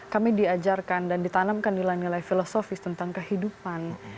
kami diajarkan dan ditanamkan nilai nilai filosofis tentang kehidupan